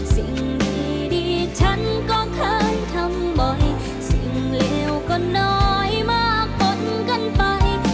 สิ่งดีฉันก็เคยทำบ่อยสิ่งเลวก็น้อยมากปนกันไป